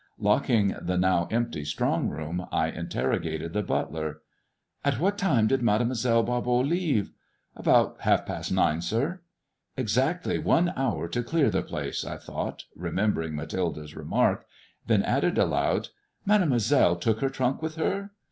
Locking the now empty strong room, I interrogated the butler. At what time did Mademoiselle Bar hot leave ]"" About half past nine, sir." " Exactly one hour to clear the place," I thought, re membering Mathilde's remark ; then added aloud, " Made moiselle took her trunk with her